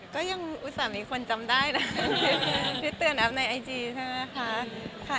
ก็ยังอุตส่าห์มีคนจำได้นะพี่เตือนแอปในไอจีใช่ไหมคะ